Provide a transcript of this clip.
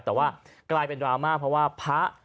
แต่ว่ากลายเป็นดราม่าเพราะว่าพระ